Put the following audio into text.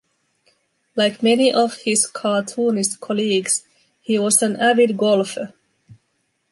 Like many of his cartoonist colleagues, he was an avid golfer.